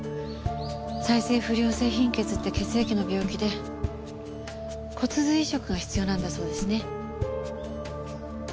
再生不良性貧血って血液の病気で骨髄移植が必要なんだそうですね。